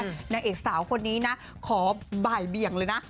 นางเอกสาวคนนี้นะขอบ่ายเบี่ยงเลยนะ